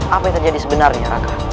apa yang terjadi sebenarnya raka